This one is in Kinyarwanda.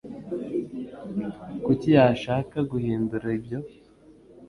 Kuki yashaka guhindura ibyo?